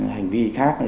hành vi khác